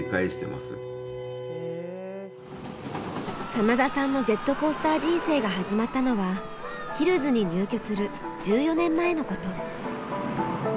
真田さんのジェットコースター人生が始まったのはヒルズに入居する１４年前のこと。